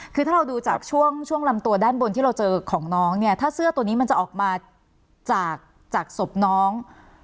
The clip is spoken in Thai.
คือถ้าเราดูจากช่วงช่วงลำตัวด้านบนที่เราเจอของน้องเนี่ยถ้าเสื้อตัวนี้มันจะออกมาจากจากศพน้อง